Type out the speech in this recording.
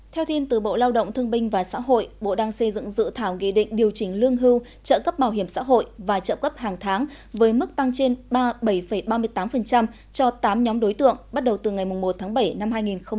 theo tin từ bộ lao động thương binh và xã hội bộ đang xây dựng dự thảo ghi định điều chỉnh lương hưu trợ cấp bảo hiểm xã hội và trợ cấp hàng tháng với mức tăng trên bảy ba mươi tám cho tám nhóm đối tượng bắt đầu từ ngày một tháng bảy năm hai nghìn hai mươi